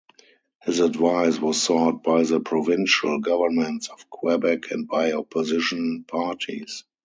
His advice was sought by the provincial governments of Quebec and by opposition parties.